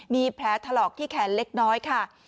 มีแผลถลอกที่แขนเล็กน้อยค่ะ